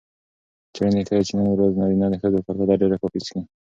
څیړنې ښيي چې نن ورځ نارینه د ښځو په پرتله ډېره کافي څښي.